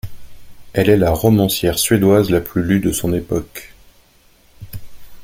Elle est la romancière suédoise la plus lue de son époque.